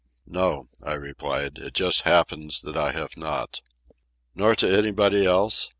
"No," I replied. "It just happens that I have not." "Nor to anybody else?